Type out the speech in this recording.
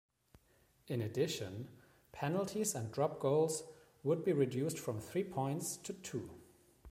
In addition, penalties and drop goals would be reduced from three points to two.